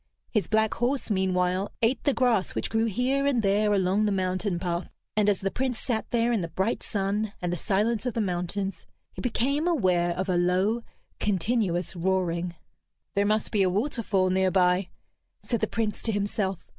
His black horse, meanwhile, ate the grass which grew here and there along the mountain path. And as the Prince sat there in the bright sun and the silence of the mountains, he became aware of a low, continuous roaring. "There must be a waterfall near by," said the Prince to himself.